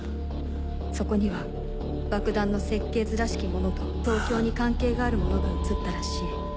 そこには爆弾の設計図らしきものと東京に関係があるものが映ったらしい。